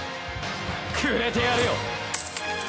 くれてやるよ。